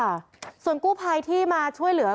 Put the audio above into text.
ค่ะส่วนกู้ภัยที่มาช่วยเหลือ